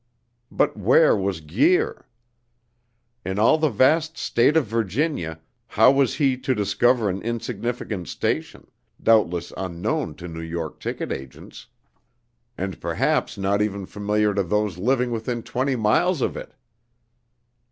But where was Guir? In all the vast State of Virginia, how was he to discover an insignificant station, doubtless unknown to New York ticket agents, and perhaps not even familiar to those living within twenty miles of it?